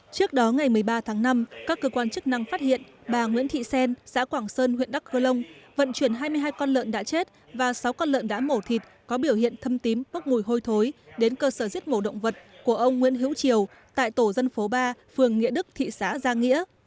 trước đó ngày một mươi ba tháng năm các cơ quan chức năng phát hiện bà nguyễn thị xen xã quảng sơn huyện đắk cơ long vận chuyển hai mươi hai con lợn đã chết và sáu con lợn đã mổ thịt có biểu hiện thâm tím bốc mùi hôi thối đến cơ sở giết mổ động vật của ông nguyễn hữu triều tại tổ dân phố ba phường nghĩa đức thị xã gia nghĩa